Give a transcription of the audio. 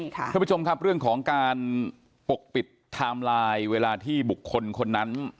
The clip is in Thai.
ท่านผู้ชมครับเรื่องของการปกปิดไทม์ไลน์เวลาที่บุคคลคนนั้น